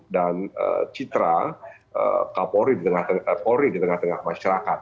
dan citra kapolri di tengah tengah masyarakat